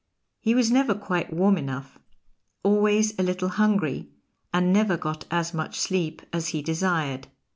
He was never quite warm enough; always a little hungry; and never got as much sleep as he desired.